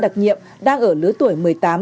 đặc nhiệm đang ở lứa tuổi một mươi tám hai mươi